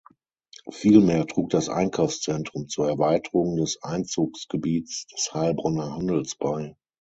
Vielmehr trug das Einkaufszentrum zur Erweiterung des Einzugsgebiets des Heilbronner Handels bei.